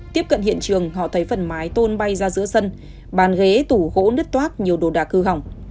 tiếp cận hiện trường họ thấy phần mái tôn bay ra giữa sân bàn ghế tủ gỗ nứt toác nhiều đồ đạc hư hỏng